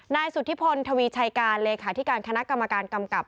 นายสุธิพลทวีชัยการเลขาธิการคณะกรรมการกำกับ